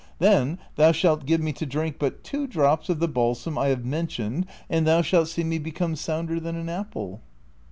Then thou «halt give me to drink but two drops of the balsam I have mentioned, and tlioii slialt see me become sounder than an apple."